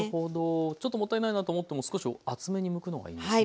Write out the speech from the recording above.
ちょっともったいないなと思っても少し厚めにむくのがいいんですね。